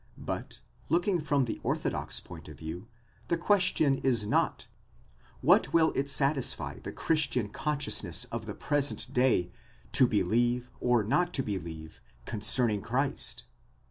But, looking from the orthodox point of view, the question is not: what will it satisfy the Christian consciousness of the present day to believe or not to believe concerning Christ?